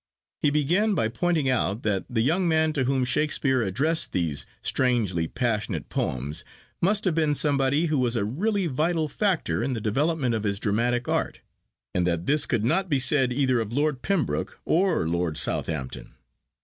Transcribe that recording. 'He began by pointing out that the young man to whom Shakespeare addressed these strangely passionate poems must have been somebody who was a really vital factor in the development of his dramatic art, and that this could not be said either of Lord Pembroke or Lord Southampton.